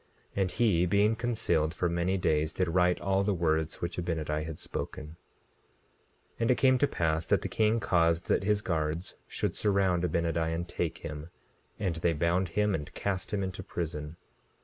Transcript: And he being concealed for many days did write all the words which Abinadi had spoken. 17:5 And it came to pass that the king caused that his guards should surround Abinadi and take him; and they bound him and cast him into prison.